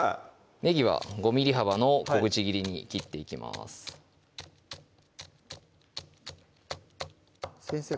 ねぎは５ｍｍ幅の小口切りに切っていきます先生